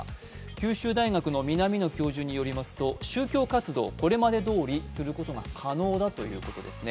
九州大学の南野教授によりますと宗教活動、これまでどおりすることが可能だということですね。